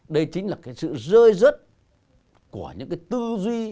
đây chính là cái sự rơi rớt của những cái tư duy